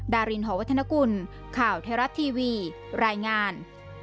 ดารินหอวัฒนกุลข่าวไทยรัฐทีวีรายงาน